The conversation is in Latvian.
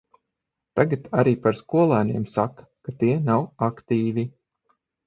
Tagad arī par skolēniem saka, ka tie nav aktīvi.